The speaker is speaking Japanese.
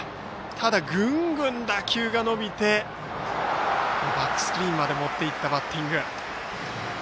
ただ、グングン打球が伸びてバックスクリーンまで持っていったバッティング。